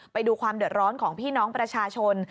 ไปดูความเดือดร้อนของพี่น้องประชาชน